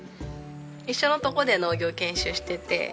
一緒のとこで農業研修してて。